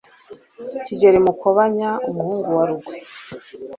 Kigeli Mukobanya umuhungu wa Rugwe,